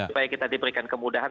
supaya kita diberikan kemudahan